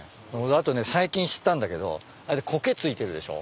あとね最近知ったんだけどあれコケ付いてるでしょ？